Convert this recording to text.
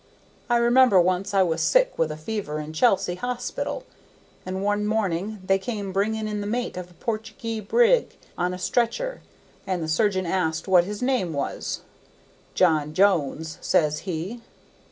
I remember once I was sick with a fever in Chelsea Hospital, and one morning they came bringing in the mate of a Portugee brig on a stretcher, and the surgeon asked what his name was. 'John Jones,' says he.